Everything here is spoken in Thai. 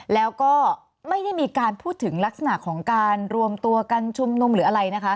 แล้วก็ไม่ได้มีการพูดถึงลักษณะของการรวมตัวกันชุมนุมหรืออะไรนะคะ